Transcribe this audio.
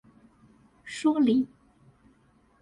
說理